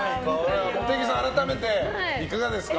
茂木さん、改めていかがですか？